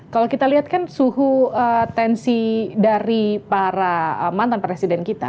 kalau kita lihat kan suhu tensi dari para mantan presiden kita